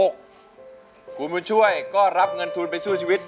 คุณบุญช่วยก็รับเงินทุนไปสู้ชีวิต